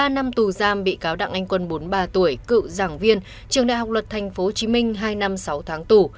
ba năm tù giam bị cáo đặng anh quân bốn mươi ba tuổi cựu giảng viên trường đại học luật tp hcm hai năm sáu tháng tù